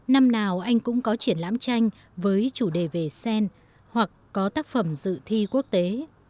năm nào anh cũng có triển lãm tranh với chủ đề về sen hoặc có tác phẩm dự thi quốc tế